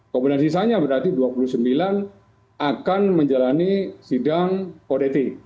kompetensi saja berarti dua puluh sembilan akan menjalani sidang kode etik